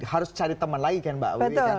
harus cari teman lagi kan mbak wiwi